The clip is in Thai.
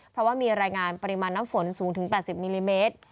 เพราะว่ามีรายงานปริมาณน้ำฝนสูงถึง๘๐มิลลิเมตร